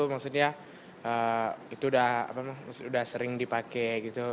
maksudnya itu udah sering dipakai gitu